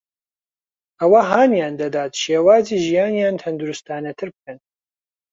ئەوە هانیان دەدات شێوازی ژیانیان تەندروستانەتر بکەن